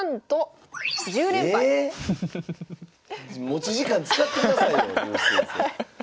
⁉持ち時間使ってくださいよ。